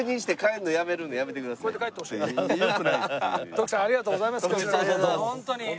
徳さんありがとうございますホントに。